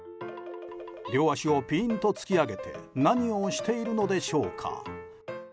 両脚をピーンと突き上げて何をしているのでしょうか。